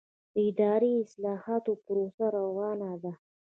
د اداري اصلاحاتو پروسه روانه ده؟